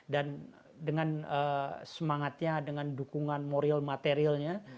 dan dengan semangatnya dengan dukungan moral materialnya